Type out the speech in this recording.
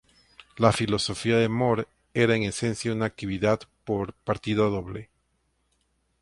La filosofía de Moore, era en esencia una actividad por partida doble.